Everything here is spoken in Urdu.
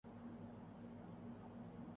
تم تو میری جان لینے پر تُلے ہو